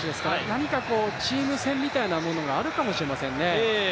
何かチーム戦みたいなものがあるかもしれませんね。